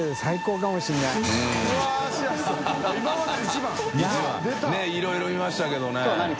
佑いろいろ見ましたけどね。